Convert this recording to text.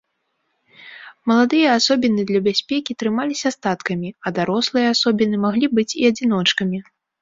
Маладыя асобіны для бяспекі трымаліся статкамі, а дарослыя асобіны маглі быць і адзіночкамі.